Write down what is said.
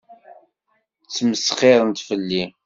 Ttmesxiṛent fell-i.